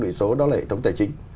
truyền đổi số đó là hệ thống tài chính